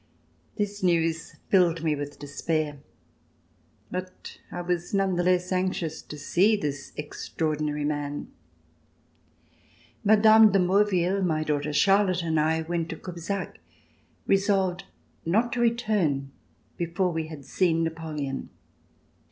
This news filled me with despair, but I was none the less anxious to see this extraor dinary man. Mme. de Maurville, my daughter Charlotte and I went to Cubzac resolved not to return before we had seen Napoleon.